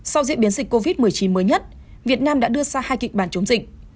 sau diễn biến dịch covid một mươi chín mới nhất việt nam đã đưa ra hai kịch bản chống dịch